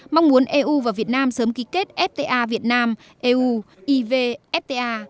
mong muốn eu và việt nam sớm ký kết fta việt nam eu iv fta